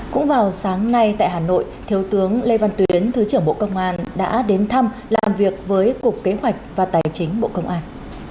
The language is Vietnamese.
cũng vào sáng nay tại hà nội thiếu tướng lê văn tuyến thứ trưởng bộ công an đã đến thăm làm việc với cục kế hoạch và tài chính bộ công an